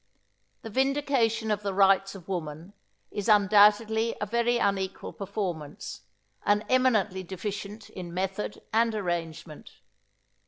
The Vindication of the Rights of Woman is undoubtedly a very unequal performance, and eminently deficient in method and arrangement.